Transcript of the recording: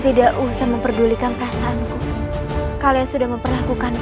tidak usah ragu cepat lakukan